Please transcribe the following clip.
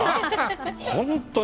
本当に。